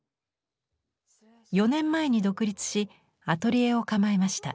４年前に独立しアトリエを構えました。